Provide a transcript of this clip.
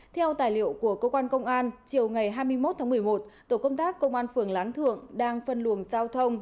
theo tài liệu của cơ quan công an chiều ngày hai mươi một tháng một mươi một tổ công tác công an phường láng thượng đang phân luồng giao thông